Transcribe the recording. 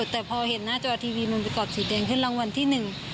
แต่พอเห็นหน้าจอทีวีมันกลอบสีแดงขึ้นรางวัลที่๑๐๗